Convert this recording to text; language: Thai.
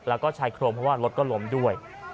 แล้วก็ชายโครงเพราะว่ารถก็ล้มด้วย